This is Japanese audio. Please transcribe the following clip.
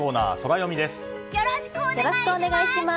よろしくお願いします！